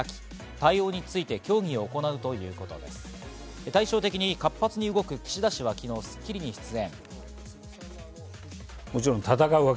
対照的に活発に動く岸田氏は昨日『スッキリ』に出演。